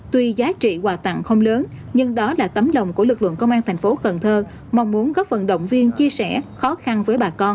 tuy giá trị quà tặng không lớn nhưng đó là tấm lòng của lực lượng công an thành phố cần thơ mong muốn góp phần động viên chia sẻ khó khăn với bà con